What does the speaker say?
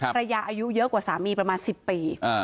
อายุเยอะกว่าสามีประมาณ๑๐ปี